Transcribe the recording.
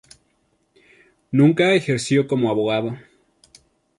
Nunca ejerció como abogado.